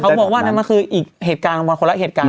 เขาบอกว่านั้นมันคืออีกเหตุการณ์คนละเหตุการณ์